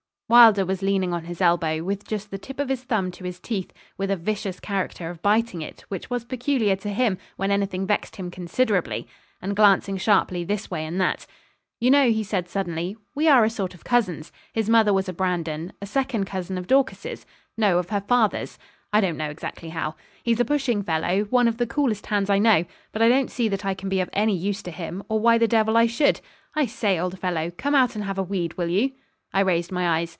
Wylder was leaning on his elbow, with just the tip of his thumb to his teeth, with a vicious character of biting it, which was peculiar to him when anything vexed him considerably, and glancing sharply this way and that 'You know,' he said, suddenly, 'we are a sort of cousins; his mother was a Brandon a second cousin of Dorcas's no, of her father's I don't know exactly how. He's a pushing fellow, one of the coolest hands I know; but I don't see that I can be of any use to him, or why the devil I should. I say, old fellow, come out and have a weed, will you?' I raised my eyes.